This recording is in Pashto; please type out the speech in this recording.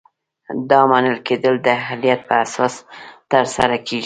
دا منل کیدل د اهلیت په اساس ترسره کیږي.